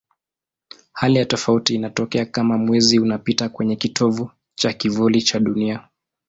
Hali ya tofauti inatokea kama Mwezi unapita kwenye kitovu cha kivuli cha Dunia.